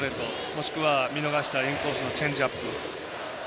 もしくは、見逃したインコースのチェンジアップ。